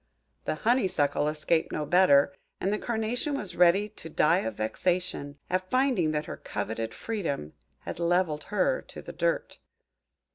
The Honeysuckle escaped no better; and the Carnation was ready to die of vexation, at finding that her coveted freedom had levelled her to the dirt.